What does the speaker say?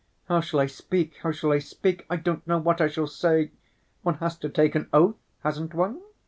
How shall I speak, how shall I speak? I don't know what I shall say. One has to take an oath, hasn't one?"